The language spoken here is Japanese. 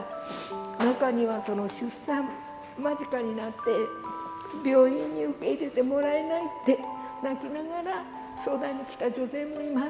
中にはその、出産間近になって病院に受け入れてもらえないって泣きながら相談に来た女性もいます。